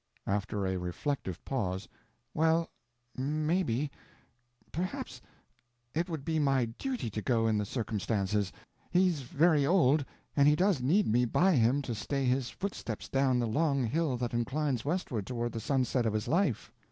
After a reflective pause: "Well, maybe—perhaps—it would be my duty to go in the circumstances; he's very old and he does need me by him to stay his footsteps down the long hill that inclines westward toward the sunset of his life.